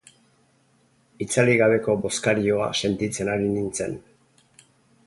Itzalik gabeko bozkarioa sentitzen ari nintzen.